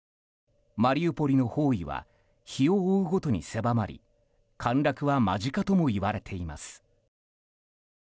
マリウポリの包囲は日を追うごとに狭まり陥落は間近ともいわれています。